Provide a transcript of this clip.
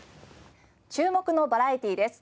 注目のバラエティーです。